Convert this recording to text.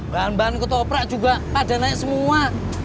bahan bahan ketoprak juga pada naik semua